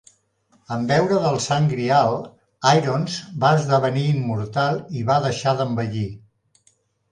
En beure del Sant Grial, Irons va esdevenir immortal i va deixar d'envellir.